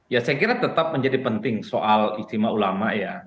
ya saya kira tetap menjadi penting soal istimewa ulama ya